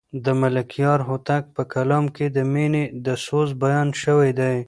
د ملکیار هوتک په کلام کې د مینې د سوز بیان شوی دی.